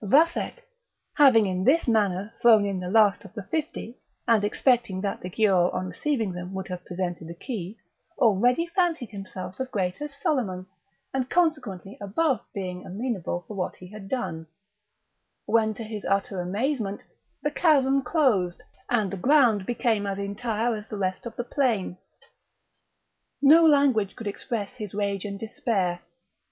Vathek, having in this manner thrown in the last of the fifty, and expecting that the Giaour on receiving them would have presented the key, already fancied himself as great as Soliman, and consequently above being amenable for what he had done: when, to his utter amazement, the chasm closed, and the around became as entire as the rest of the plain. No language could express his rage and despair.